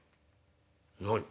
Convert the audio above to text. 「何？